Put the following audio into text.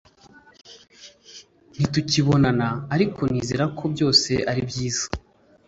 ntitukibonana, ariko nizere ko byose ari byiza